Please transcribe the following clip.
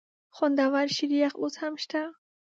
خوندور شریخ اوس هم شته؟